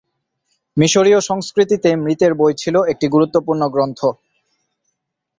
মিশরীয় সংস্কৃতিতে মৃতের বই ছিল একটি গুরুত্বপূর্ণ গ্রন্থ।